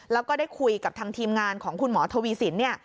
แล้วก็ได้คุยกับทางทีมงานของคุณหมอทวีสิน